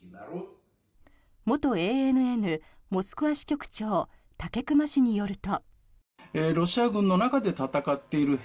元ＡＮＮモスクワ支局長武隈氏によると。